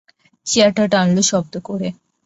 চেয়ারটা টানল শব্দ করে।